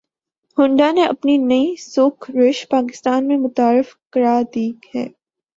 Honda نے اپنی نئی سوک رش پاکستان میں متعارف کرا دی ہے